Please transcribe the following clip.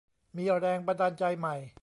มีแรงบันดาลใจใหม่